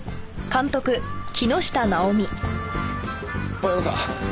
大山さん。